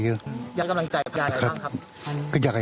เขาวิ่งะกันไม่เจอไย